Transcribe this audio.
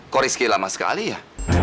koriski lama sekali ya